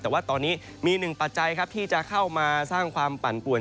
แต่ว่าตอนนี้มีหนึ่งปัจจัยครับที่จะเข้ามาสร้างความปั่นป่วน